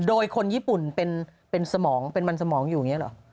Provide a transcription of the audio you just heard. โดยคนญี่ปุ่นเป็นสมองเป็นมันสมองอยู่อย่างนี้หรอ